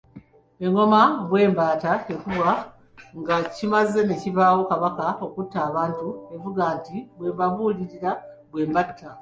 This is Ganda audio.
Engoma “Bwembatta” ekubwa nga kimaze ne kibaawo kabaka okutta abantu evuga nti “Bwembabuulirira bwe mbatta.”